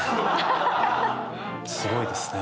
すごいですね。